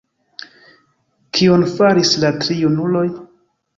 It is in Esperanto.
Kion faris la tri junuloj?